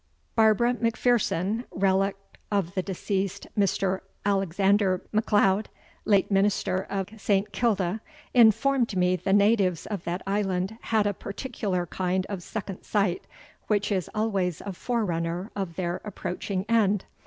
"Barbara Macpherson, relict of the deceased Mr. Alexander MacLeod, late minister of St. Kilda, informed me the natives of that island had a particular kind of second sight, which is always a forerunner of their approaching end.